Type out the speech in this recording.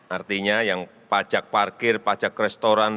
artinya yang pajak parkir pajak restoran